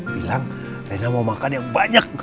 bilang rena mau makan yang banyak